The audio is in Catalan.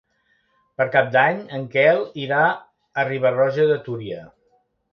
Per Cap d'Any en Quel irà a Riba-roja de Túria.